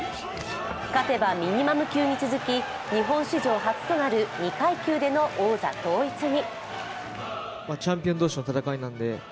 勝てばミニマム級に続き、日本史上初となる２階級での王座統一に。